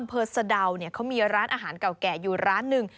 สะดาวเนี่ยเขามีร้านอาหารเก่าแก่อยู่ร้านหนึ่ง